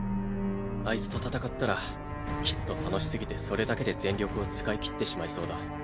あいつと戦ったらきっと楽しすぎてそれだけで全力を使いきってしまいそうだ。